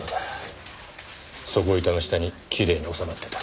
底板の下にきれいに収まってた。